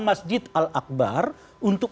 masjid al akbar untuk